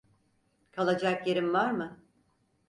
Kalacak yerin var mı?